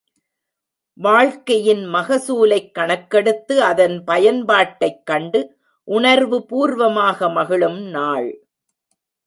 வாழ்க்கையின் மகசூலைக் கணக்கெடுத்து அதன் பயன்பாட்டைக் கண்டு உணர்வு பூர்வமாக மகிழும் நாள்!